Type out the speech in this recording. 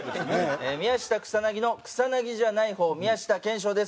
宮下草薙の草薙じゃない方宮下兼史鷹です。